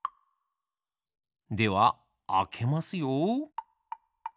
ではあけますよ。